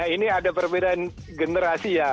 ini ada perbedaan generasi ya